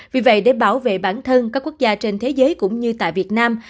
vì vậy để bảo vệ bản thân các quốc gia trên thế giới cũng như tại việt nam